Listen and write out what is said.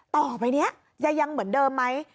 ต่อไปนี้จะยังเหมือนเดิมไหม